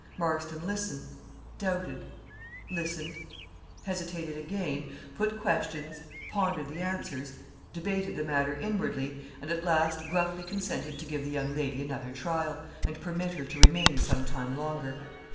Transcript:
Marston listened, doubted, listened, hesitated again, put questions, pondered the answers; debated the matter inwardly, and at last gruffly consented to give the young lady another trial, and permit her to remain some time longer.